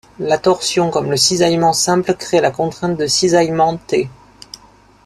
La torsion comme le cisaillement simple créent de la contrainte de cisaillement τ.